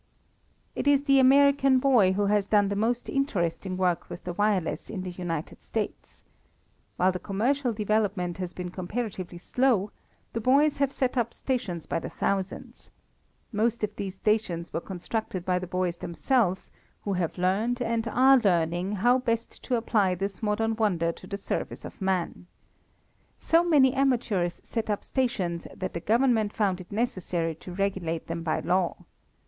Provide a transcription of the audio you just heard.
It is the American boy who has done the most interesting work with the wireless in the United States. While the commercial development has been comparatively slow, the boys have set up stations by the thousands. Most of these stations were constructed by the boys themselves, who have learned and are learning how best to apply this modern wonder to the service of man. So many amateurs set up stations that the Government found it necessary to regulate them by law.